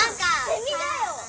セミだよ。